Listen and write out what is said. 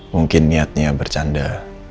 mungkin niatnya bercanda